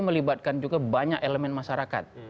melibatkan juga banyak elemen masyarakat